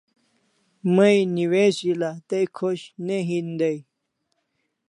May newishila tay khosh ne hin day